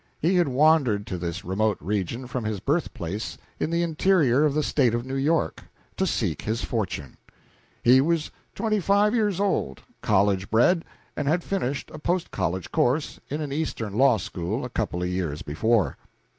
He had wandered to this remote region from his birthplace in the interior of the State of New York, to seek his fortune. He was twenty five years old, college bred, and had finished a post college course in an Eastern law school a couple of years before.